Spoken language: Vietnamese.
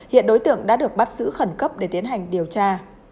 hiện đối tượng đã được bắt giữ khẩn cấp để tiến hành điều tra